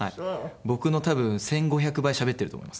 僕の多分１５００倍しゃべってると思います。